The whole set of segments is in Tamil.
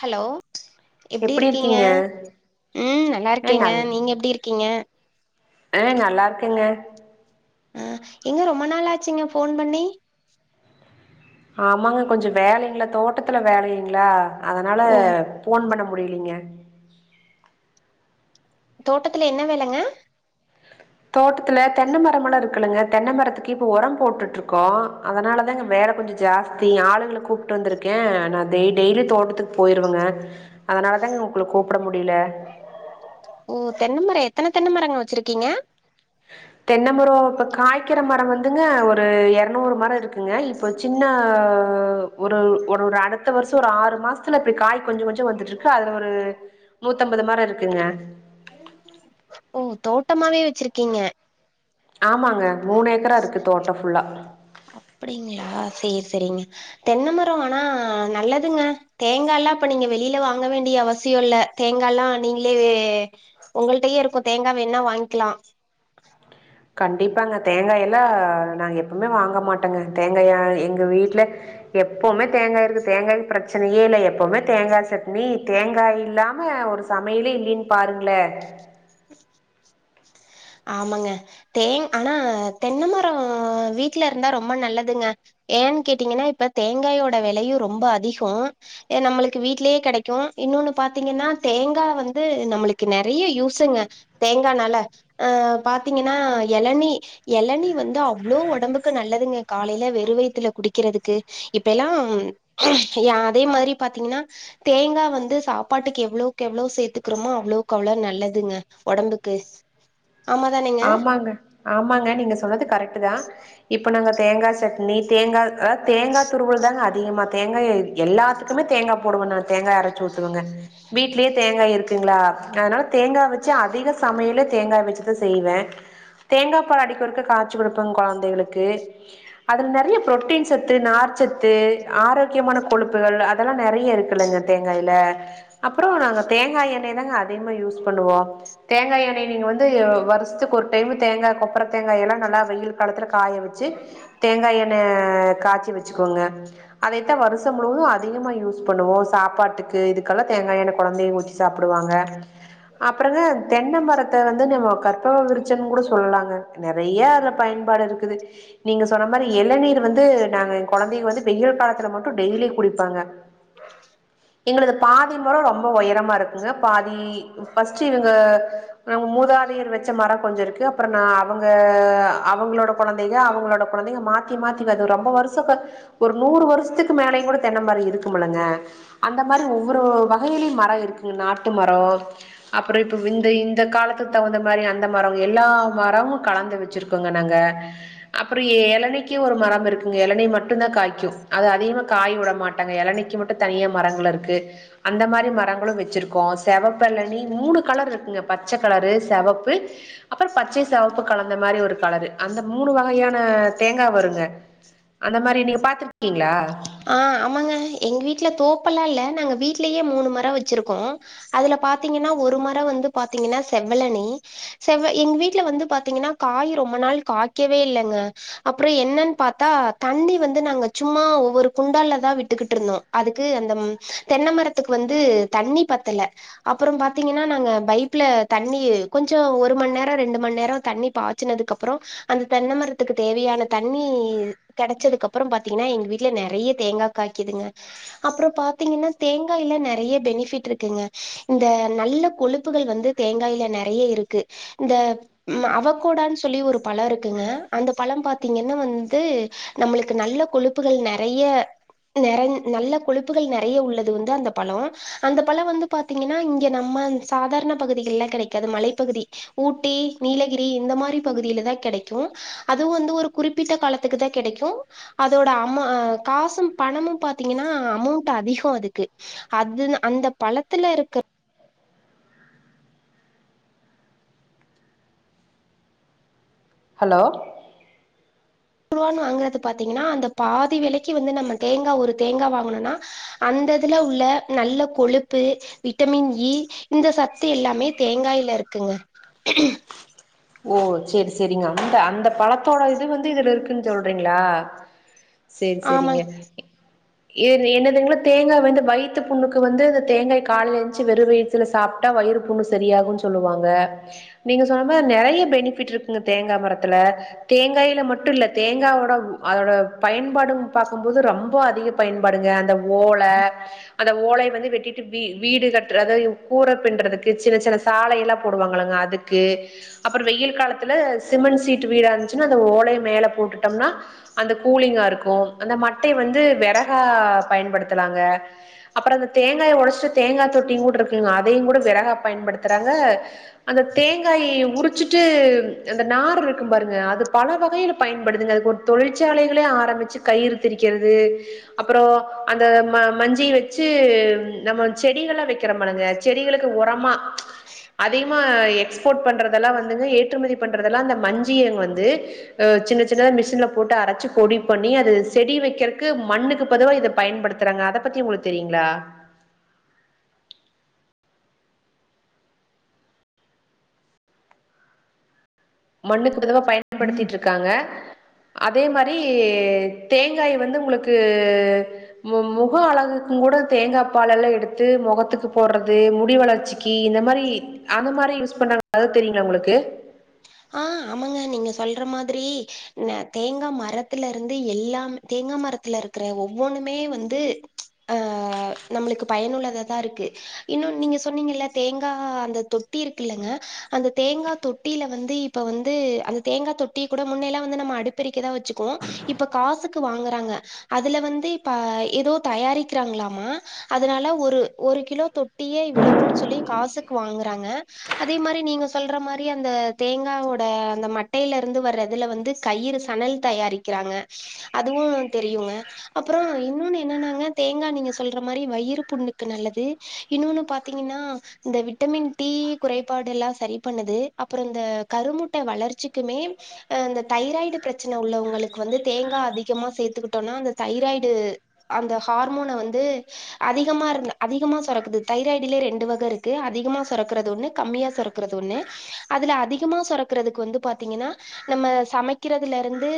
ஹலோ எப்டி இருக்கீங்க ம் நல்லா இருக்கேங்க நீங்க எப்டி இருக்கீங்க அ நல்லா இருக்கேங்க ஆ எங்க ரொம்ப நாளாச்சுங்க போன் பண்ணி ஆமாங்க கொஞ்சோ வேலைங்ளா தோட்டத்துல வேலைங்ளா அதனால ஓ போன் பண்ண முடியலீங்க தோட்டத்துல என்ன வேலங்க தோட்டத்துல தென்ன மரம் எல்லா இருக்குலுங்க தென்ன மரத்துக்கு இப்ப ஒரம் போட்டுட்டு இருக்கோ அதனாலதாங்க வேல கொஞ்சோ ஜாஸ்தி ஆளுகள கூப்டு வந்திருக்கே நா டெய்லி தோட்டத்துக்கு போயிருவேங்க அதனாலதாங்க உங்கள கூப்ட முடியல ஓ தென்ன மரோ எத்தன தென்னமரங்க வச்சுருக்கீங்க தென்ன மரோ இப்ப காய்க்கிற மர வந்து துங்க ஒரு எரநூறு மர இருக்கு ங்க இப்போ சின்ன ஒரு ஒரு ஒரு அடுத்த வருஷோ ஒரு ஆறு மாசத்ல இப்டி காய் கொஞ்சோ கொஞ்சோ வந்துட்டு இருக்கு அதுல ஒரு நூத்தம்பது மர இருக்குங்க ஓ தோட்டமாவே வச்சிருக்கீங்க ஆமாங்க மூனு ஏக்கரா இருக்கு தோட்டம் ஃபுல்லா அப்படிங்ளா சேரி சேரிங்க தென்ன மர ஆனா நல்லதுங்க தேங்காய் எல்லா இப்ப நீங்க வெளியில வாங்க வேண்டிய அவசியோ இல்ல தேங்காய் எல்லா நீங்களே உங்கள்டயே இருக்கோ தேங்கா வேணா வாங்கிக்லா கண்டிப்பாங்க தேங்காய எல்லா நாங்க எப்பவுமே வாங்க மாட்டோங்க தேங்காய எங்க வீட்ல எப்பவுமே தேங்காய் இருக்கு தேங்காய்கு பிரச்சனயே இல்ல எப்பவுமே தேங்கா சட்னி தேங்காய் இல்லாம ஒரு சமயிலே இல்லைனு பாருங்களே ஆமாங்க தேங் ஆனா தென்ன மரோ வீட்ல இருந்தா ரொம்ப நல்லதுங்க ஏன்னு கேட்டீங்கனா இப்ப தேங்காயோட வெலையு ரொம்ப அதிகோ நம்மளுக்கு வீட்லயே கெடைக்கு இன்னொன்னு பாத்தீங்கனா தேங்கா வந்து நம்மளுக்கு நெறய யூஸுங்க தேங்கானால அ பாத்தீங்கனா எளநி எளநி வந்து அவ்ளோ ஒடம்புக்கு நல்லதுங்க காலையில வெறு வயித்ல குடிக்கிறதுக்கு இப்ப எல்லாம் அதே மாதிரி பாத்தீங்கனா தேங்கா வந்து சாப்பாட்டுக்கு எவ்ளோக் எவ்ளோ சேத்துக்குறோமோ அவ்ளோக் அவ்ளோ நல்லதுங்க ஒடம்புக்கு ஆமா தானேங்க ஆமாங்க ஆமாங்க நீங்க சொன்னது கரெக்டு தா இப்ப நாங்க தேங்கா சட்னி நீ தேங்கால் தேங்காதுருவல் தாங்க அதிக அதிகமா தேங்காய எல்லாத்துக்குமே தேங்கா போடுவே நானு தேங்க அரச்சு ஊத்துவேங்க வீட்லயே தேங்காய் இருக்குங்ளா அதனால தேங்கா வெச்சு அதிக சமயலே தேங்காய் வச்சது செய்வே தேங்கா பால் அடிக்கொருக்க காய்ச்சி குடுப்பங்க கொழந்தைகளுக்கு அதுல நெறய புரோட்டின் சத்து நார் சத்து ஆரோக்யமான கொழுப்புகள் அதெல்லா நெறய இருக்குலங்க தேங்காய்ல அப்றோ நாங்க தேங்காய் எண்ணெய் தாங்க அதிகமா யூஸ் பண்ணுவோ தேங்காய் எண்ணெய் நீங்க வந்து வருஷத்துக்கு ஒரு டைம் தேங்காய் கொப்பர தேங்காய் எல்லாம் நல்லா வெயில் காலத்துல காய வச்சு தேங்காய் எண்ணெய காய்ச்சி வச்சுக்கோங்க அதைத்தான் வருஷம் முழுவதும் அதிகமா யூஸ் பண்ணுவோம் சாப்பாட்டுக்கு இதுக்கெல்லாம் தேங்காய் எண்ணெய குழந்தையும் ஊத்தி சாப்பிடுவாங்க அப்புறங்க தென்னம்மரத்தை வந்து நம்ம கற்பக விருச்சன்னு கூட சொல்லாங்க நிறைய அதுல பயன்பாடு இருக்குது நீங்க சொன்ன மாதிரி இளநீர் வந்து நாங்க குழந்தைங்க வந்து வெயில் காலத்துல மட்டும் டெய்லி குடிப்பாங்க எங்களது பாதி மரம் ரொம்ப உயரமா இருக்குங்க பாதி பர்ஸ்ட் இவங்க மூதாதையர் வச்சு மரம் கொஞ்சம் அப்பறம் அவங்க அவங்களோட குழந்தை அவங்களோட குழந்தை மாத்தி மாத்த ரொம்ப வரு ஒரு நூறு வருஷத்துக்கு மேலயும் கூட தென்னை மரம் இருக்குமுலங்க அந்த மாதிரி ஒவ்வொரு வகையிலும் மரம் இருக்கு நாட்டு மரம் அப்புறம் இந்த காலத்துக்கு தகுந்த மாதிரி மரம் எல்லா மரமும் கலந்து வச்சு வச்சிருக்கோங்க நாங்க அப்புறம் இளநிக்கு ஒரு மரம் இருக்குங்க இளநி மட்டும் தான் காய்க்கும் அது அதிகமா காய் விட மாட்டாங்க இளநிக்கு மட்டும் தனிய மரங்கள் இருக்கு அந்த மாதிரி மரங்களும் வச்சிருக்கோம் செவப்புளனி மூணு கலர் இருக்குங்க பச்சை கலரு சிவப்பு அப்புறம் பச்சை சிவப்பு கலந்த மாதிரி ஒரு கலரு அந்த மூணு வகையான தேங்காய் வருங்க அந்த மாதிரி நீங்க பாத்துருக்கீங்களா ஆஹ் ஆமாங்க எங்க வீட்டுல தோப்பல்லாம் இல்ல நாங்க வீட்லயே மூணு மரம் வச்சிருக்கோம் அதுல பாத்தீங்கன்னா ஒரு மரம் வந்து பாத்தீங்கன்னா செவலனி செவ்வ எங்க வீட்டுல வந்து பாத்தீங்கன்னா காய் ரொம்ப நாள் காய்க்கவே இல்லங்க அப்புறம் என்னன்னு பாத்தா தண்ணி வந்து நாங்க சும்மா ஒவ்வொரு குண்டாலல தான் விட்டுகிட்டு இருந்தோம் அதுக்கு அந்த தென்னைமரத்துக்கு வந்து தண்ணி பத்தலை அப்புறம் பார்த்தீங்கன்னா நாங்க பைப்ல தண்ணி கொஞ்சம் ஒரு மணி நேரம் ரெண்டு மணி நேரம் தண்ணி பாய்ச்சுனதுக்கு அப்புறம் அந்த தென்னை மரத்துக்கு தேவையான தண்ணி கெடைச்சதுக்கப்புறம் பாத்தீங்கன்னா எங்க வீட்ல நெறய நிறைய தேங்காய் காய்க்கிதுங்க அப்புறம் பாத்தீங்கன்னா தேங்காயல நிறைய பெனிபிட் இருக்குங்க இந்த நல்ல கொழுப்புகள் வந்து தேங்காயல நிறைய இருக்கு இந்த அவக்கோடான்னு சொல்லி ஒரு பழம் இருக்குங்க அந்த பழம் பாத்தீங்கன்னா வந்து நம்மளுக்கு நல்ல கொழுப்புகள் ந நிறைய நல்ல கொழுப்புகள் நிறைய உள்ளது வந்து அந்த பழம் அந்த பழம் வந்து பார்த்தீங்கன்னா இங்க நம்ம சாதாரண பகுதிகள்லாம் கிடைக்காது மலைப்பகுதி ஊட்டி நீலகிரி இந்த மாதிரி பகுதியில தான் கிடைக்கும் அதுவும் வந்து ஒரு குறிப்பிட்ட காலத்துக்கு தான் கிடைக்கும் அதோட அம்மா காசும் பணமும் பாத்தீங்கன்னா அமௌண்ட் அதிகம் அதுக்கு அது அந்த பழத்துல இருக்க ஹலோ வான் வாங்குறது பாத்தீங்கன்னா அந்த பாதி விலைக்கு வந்து நம்ம தேங்காய் ஒரு தேங்காய் வாங்கனும்னா அந்ததுல உள்ள நல்ல கொழுப்பு விட்டமின் ஈ இந்த சத்து எல்லாமே தேங்காய்யில இருக்குங்க ஓ செரி செரிங்க அந்த அந்த பழத்தோட இது வந்து இதுல இருக்குன்னு சொல்றீங்களா செரி ஆமாங்க செரிங்க என்னதுங்களா தேங்காய் வந்து வயிற்று புண்ணுக்கு வந்து இந்த தேங்காய் காலைல எழுந்துருச்சு வெறும் வயித்துல சாப்பிட்டா வயிறு புண்ணு சரியாகும்ன்னு சொல்லுவாங்க நீங்க சொன்ன மா நிறைய பெனிபிட் இருக்குங்க தேங்காய் மரத்தில் தேங்காயில் மட்டும் இல்ல தேங்காயட அதோட பயன்பாடும் பார்க்கும்பது ரொம்ப அதிக பயன்பாடுங்க அந்த ஓல அந்த ஓல வந்து வெட்டிட்டு வீ வீடு கட்டுற அதாவது கூரை பின்ன்றறதுக்கு சின்ன சின்ன சாலையல்லாம் போடுவாங்கங்கள அதுக்கு அப்புறம் வெயில் காலத்துல சிமெண்ட் சீட்டு வீடா இருந்துச்சுன்னா அந்த ஓலைய மேலே போட்டுட்டோம்னா அந்த கூலிங்கா இருக்கும் அந்த மட்டை வந்து விறகா பயன்படுத்தலாங்க அப்புறம் அந்த தேங்காய் உடைச்சிட்டு தேங்காய் தொட்டியும் கூட இருக்குங்க அதையும் கூட விறகா பயன்படுத்துறாங்க அந்த தேங்காய் உரிச்ச உறுசீட்டு நார் இருக்கும் பாருங்க அது பல வகையில் பயன்படுங்க அது ஒரு தொழிற்சாலைகள ஆரம்பிச்சு கயிறுத்தக்கிறது அப்புறம் அந்த மஞ்சி வச்சு நம்ம செடிகால்லம் வைக்கிறும்பாருங்க செடிகளுக்கு உரமா அதிகமா எக்ஸ்போர்ட் பண்றது அதெல்லாம் வந்து ஏற்றுமதி பண்றதெல்லாம் அந்த மஞ்சங்க வந்து சின்ன சின்னத மிஷின் போட்டு அரைச்சு பொடி பண்ணி அது செடி வைக்கிறதுக்கு மண்ணுக்கு பதிவாக இதை பயன்படுத்துறாங்க அத பத்தி உங்களுக்கு தெரியுங்களா மண்ணுக்கு பொதுவா ம் பயன்படுத்திகிட்டு இருக்காங்க அதே மாதிரி தேங்காய் வந்து உங்களுக்கு முக அழகுக்கும் கூட தேங்காய் பால் எல்லாம் எடுத்து முகத்துக்கு போடுறது முடி வளர்ச்சி இந்த மாதிரி அந்த மாதிரி ப அது தெரியுங்களா உங்களுக்கு ஆஹ் ஆமாங்க நீங்க சொல்ற மாதிரி தேங்காய் மரத்துல இருந்து எல்லாம் தேங்காய் மரத்துல இருக்கற ஒவ்வொண்ணுமே வந்து ஆஹ் நம்மளுக்கு பயனுள்ளத தான் இருக்கு இன்னும் நீங்க சொன்னீங்கல்ல தேங்காய் அந்த தொட்டி இருக்குல்லங்க அந்த தேங்காய் தொட்டில வந்து இப்ப வந்து அந்த தேங்காய் தொட்டிய கூட முன்னல்லாம் வந்து நம்ம அடிப்பறிக்கதான் வச்சுக்கோம் இப்ப காசுக்கு வாங்குறாங்க அதுல வந்து இப்ப ஏதோ தயாரிக்கிறாங்களாமா அதனால ஒரு ஒரு கிலோ தொட்டியே இவ்வளோக்குன்னு சொல்லி காசுக்கு வாங்குறாங்க அதே மாதிரி நீங்க சொல்ற மாதிரி அந்த தேங்காயோட அந்த மட்டையில இருந்து வர்றதுல வந்து கயிறு சணல் தயாரிக்கிறாங்க அதுவும் தெரியுங்க அப்புறம் இன்னொன்னு என்னன்னாங்க தேங்காய் நீங்க சொல்ற மாதிரி வயிறு புண்ணுக்கு நல்லது இன்னொன்னு பார்த்தீங்கன்னா இந்த விட்டமின் டி குறைபாடு எல்லாம் சரி பண்ணுது அப்புறம் அ கருமுட்டை வளர்ச்சிக்குமே அஹ் அ இந்த தைராய்டு பிரச்சனை உள்ளவங்களுக்கு வந்து தேங்காய் அதிகமா சேர்த்துக்கிட்டோம்னா அந்த தைராய்டு அந்த ஹார்மோனை வந்து அதிகமா இரு அதிகமா சுரக்குது தைராய்டலயே ரெண்டு வகை இருக்கு அதிகமா சுரக்கறது ஒண்ணு கம்மியா சுரக்கறது ஒண்ணு அதுல அதிகமா சுரக்கறதுக்கு வந்து பார்த்தீங்கன்னா நம்ம சமைக்கிறதுல இருந்து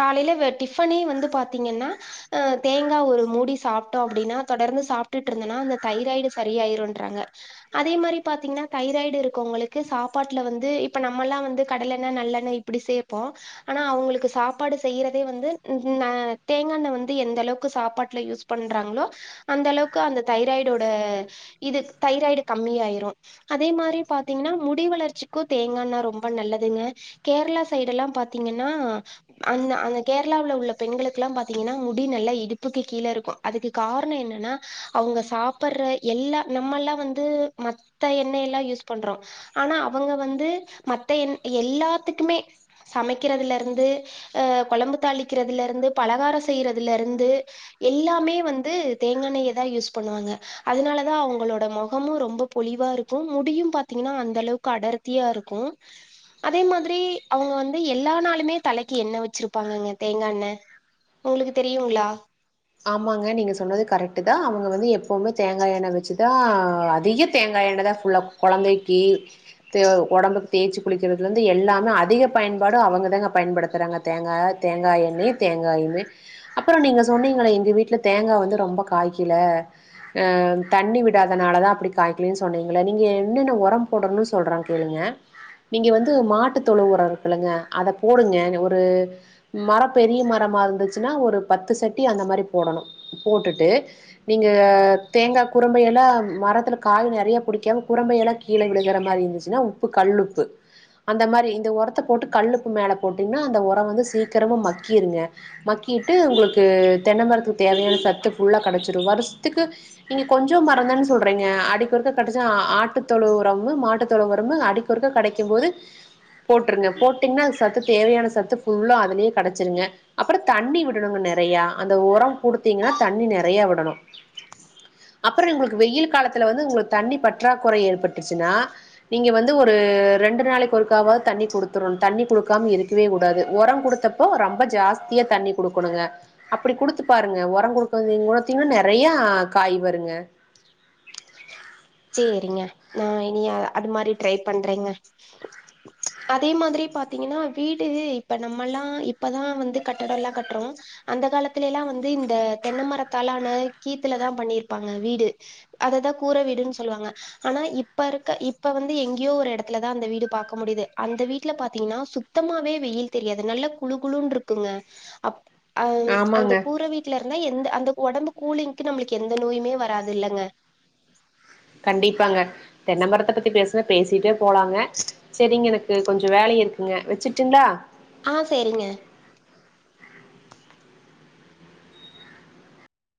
காலையில டிஃபனே வந்து பார்த்தீங்கன்னா தேங்காய் ஒரு மூடி சாப்பிட்டோம் அப்படின்னா தொடர்ந்து சாப்பிட்டுட்டு இருந்தனா அந்த தைராய்டு சரியயிரும்ன்றாங்க அதே மாதிரி பா்த்தீங்கன்னா தைராய்டு இருக்கவங்களுக்கு சாப்பாட்டு வந்து இப்பெல்லாம் நம்பலாம் வந்து கடல எண்ணெய் நல்லெண்ணெய் இப்படி சேர்போம் ஆனா அவங்களுக்கு சாப்பாடு செய்யறதே தேங்காய் எண்ணெய் சாப்பாட்டுல யூஸ் பண்றாங்களோ அந்தளவு அந்த தைராய்டுடோ இது தைராய்டு கம்மியாயிரும்அதே மாதிரி பார்த்தீங்கன்னா முடி வளர்ச்சி தேங்காய்ண்ணா ரொம்ப நல்லதுங்க கேரளா சைடு எல்லாம் பாத்தீங்கன்னா அந்த அந்த கேரளாவில உள்ள பெண்களுக்கு எல்லாம் பாத்தீங்கன்னா முடி நல்லா இடுப்புக்கு கீழே இருக்கும் அதுக்கு காரணம் என்னன்னா அவங்க சாப்படுற எல்லாம் நம்மல்லாம் வந்து மத்த எண்ணெய எல்லாம் யூஸ் பண்றோம் ஆனா அவங்க வந்து மத்த எல்லாத்துக்குமே சமைக்கிறதுல இருந்துஹ குழம்பு தாளிக்கிறதுல இருந்து பலகாரம் செய்யறதுல இருந்து எல்லாமே வந்து தேங்கண்ணயை தான் யூஸ் பண்ணுவாங்க அதனால தான் அவங்களோட முகமும் ரொம்ப பொழிவா இருக்கும் முடியும் பாத்தீங்கன்னா அந்த அளவுக்கு அடர்த்தியா இருக்கும் அதே மாதிரி அவங்க வந்து எல்லா நாளுமே தலைக்கு என்ன வச்சிருப்பாங்கங்க தேங்கா எண்ண உங்களுக்கு தெரியுங்களா ஆமாங்க நீங்க சொன்னதுக்கு கரெக்ட்தா அவங்க வந்து எப் எப்புமே தேங்காயெண்ண வெச்சது தா அதிக தேங்கா எண்ணதா ஃபுல்லகொழந்தைக்கு ஒடம்புக்கு தேய்ச்சு குளிக்குறதுல இருந்து எல்லாமே அதிக பயன்பாடு அவுங்கதாங்க பயன்படுத்துறாங்க தேங்கா தேங்காய் எண்ணெய தேங்காயுமே அப்புறோ நீங்க சொன்னீங் எங்க வீட்ல தேங்கா வந்து ரொம்ப காய்க்கில அ தண்ணி விடாதனாலதா அப்டி காய்க்கலின் சொன்னீங்கள நீங்க என்னென்ன ஒரம் போடனுன் சொல்ற கேளுங்க நீங்க வந்து மாட்டுத்தொழு ஒரோ இருக்குளங்க அத போடுங்க ஒரு மரோ பெரிய மரமா இருந்துச்சுன்னா ஒரு பத்து சட் டி அந்த மாரி போடணு போட்டுட்டு நீங்க தேங்கா குறும்பயெல்லா மரத்துல காய நெறைய புடிக்காம குறும்பயெல்லா கீழ விழுகுற மாரி இருந்துச்சுன்னா உப்பு கல்லுப்பு அந்த மாரி இந்த ஒரத்த போட்டு கல்லுப்பு மேல போட்டீங்கன்னா அந்த ஒரோ வந்து சீக்கிரமா மக்கிருங்க மக்கிட்டு உங்களுக் டு தென்ன மரத்துக்கு தேவையான சத்து ஃபுல்லா கெடச்சுரு வருஷத்துக்கு நீங்க கொஞ்சோ மரோந்தான் சொல்றீங்க அடிக்குறது தட்டுச்சுனா ஆட்டுத்தொளுவு உரம்மு மாட்டுத்தொளுவு உரம்மு அடிக்குறது கெடைக்கும் போது போட்ருங்க போட்டீங்கன்னா சத்து தேவையான சத்து ஃபுல்லா அதுலயே கெடச்சுருங்க அப்புறோ தண்ணி விடணுங்க நெ நெறையா அந்த ஒரோ குடுத்தீங்கன்னா தண்ணி நெறையா விடணு அப்புறோ உங்களுக்கு வெயில் காலத்துல வந்து உங்களுக்கு தண்ணி பற்றாக்குறை ஏற்பட்டுச்சுன்னா நீங்க வந்து ஒரு ரெண்டு நாளைக்கு ஒருக்காவது தண்ணி குடுத்துரனு தண்ணி குடுக்காம இருக்கவே கூடாது ஒரம் குடுத்தப்போ ரொம்ப ஜாஸ்தியா தண்ணி குடுக்கணுங்க அப்புடி குடுத்து பாருங்க ஒரங் குடுக்கங்க குணத்தீங்கன்னா நெறையா காய் வருங்க சேரிங்க நா இனி அது மாரி ட்ரை பண்றங்க அதே மாதிரி பாத்தீங்கன்னா வீடு இப்ப நம்மல்லா இப்பதா வந்து கட்டடோல்லா கட்றோ அந்த காலத்துலயெல்லா வந்து இந்த தென்ன மரத்தாலான கீத்துலதா பண்ணிருப்பாங்க வீடு அதுதா கூர வீடுன்ஸ் சொல்லுவாங்க ஆனா இப்ப இருக்க இப்ப வந்து எங்கயோ ஒரு எடத்துலதா அந்த வீடு பாக்க முடியுது அந்த வீட்ல பாத்தீங்கன்னா சுத்தமாவே வெயில் தெரியாது நல்ல குழு குழுன் இருக்குங்க அ அந்த ஆமாங்க கூர வீட்ல இருந்தா எந்த அந்த ஒடம்பு கூலிங்க்கு நம்மளுக்கு எந்த நோயுமே வராது இல்லங்க கண்டிப்பாங்க தென்னமரத்த பத்தி பேசுனா பேசிட்டே போலாங்க சேரிங்க எனக்கு கொஞ்சோ வேல இருக்குங்க வெச்சுட்டுங்களா ஆ சேரிங்க